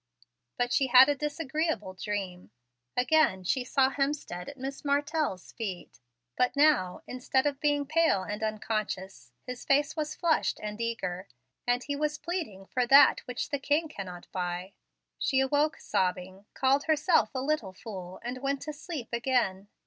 But she had a disagreeable dream. Again she saw Hemstead at Miss Martell's feet; but now, instead of being pale and unconscious, his face was flushed and eager, and he was pleading for that which the king cannot buy. She awoke sobbing, called herself a "little fool," and went to sleep again.